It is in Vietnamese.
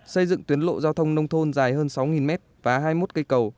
xây dựng tuyến lộ giao thông nông thôn dài hơn sáu mét và hai mươi một cây cầu